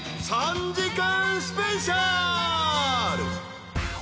［３時間スペシャル］